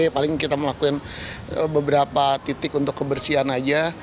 paling kita melakukan beberapa titik untuk kebersihan aja